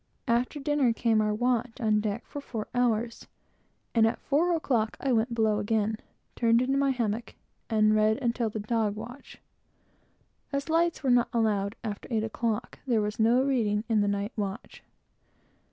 After dinner came our watch on deck for four hours, and, at four o'clock, I went below again, turned into my hammock, and read until the dog watch. As no lights were allowed after eight o'clock, there was no reading in the night watch.